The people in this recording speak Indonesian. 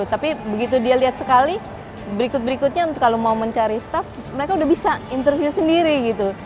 tapi begitu dia lihat sekali berikut berikutnya untuk kalau mau mencari staff mereka udah bisa interview sendiri gitu